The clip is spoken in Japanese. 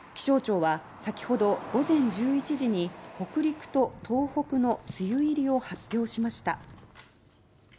気象庁はさきほど午前１１時に北陸と東北の梅雨入りを発表しました。